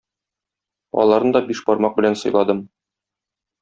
Аларны да бишбармак белән сыйладым.